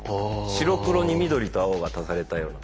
白黒に緑と青が足されたような。